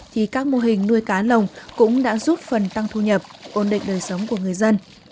thì các mô hình nuôi cá lồng cũng đã giúp phần tăng thu nhập ổn định đời sống của người dân